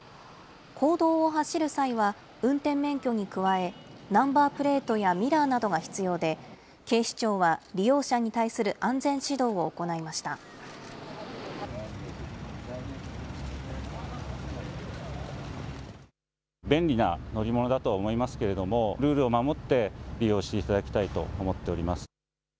公道を走る際は運転免許に加え、ナンバープレートやミラーなどが必要で、警視庁は利用者に対する安全指導を行いました。